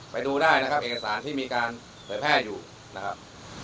ไปดูได้นะครับเอกสารที่มีการเผยแพร่อยู่นะครับ